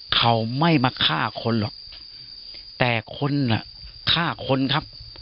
เขาไม่มาฆ่าคนหรอกแต่คนน่ะฆ่าคนครับ